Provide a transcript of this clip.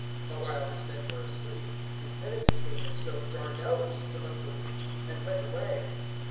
(25)But while men slept, his enemy came and sowed darnel among the wheat, and went away.